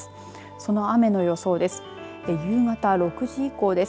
その雨の予想です。